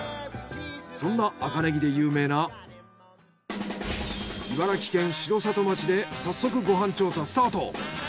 そんな赤ネギで有名な茨城県城里町で早速ご飯調査スタート。